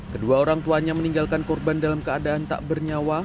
kedua orang tuanya meninggalkan korban dalam keadaan tak bernyawa